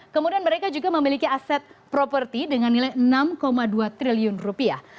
kemudian mereka juga memiliki aset properti dengan nilai enam dua triliun rupiah